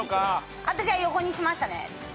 私は横にしましたね。